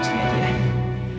itu bikin nyuruh betul semua